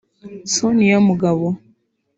Sonia Mugabo